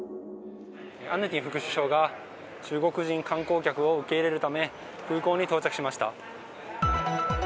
アヌティン副首相が中国人観光客を受け入れるため空港に到着しました。